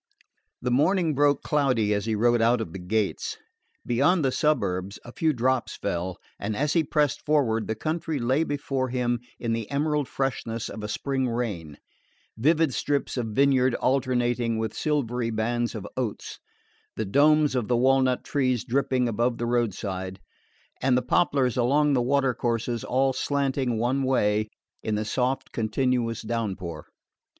The morning broke cloudy as he rode out of the gates. Beyond the suburbs a few drops fell, and as he pressed forward the country lay before him in the emerald freshness of a spring rain, vivid strips of vineyard alternating with silvery bands of oats, the domes of the walnut trees dripping above the roadside, and the poplars along the water courses all slanting one way in the soft continuous downpour.